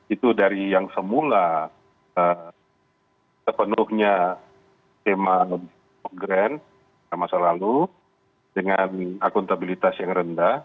itu dari yang semula sepenuhnya tema grand masa lalu dengan akuntabilitas yang rendah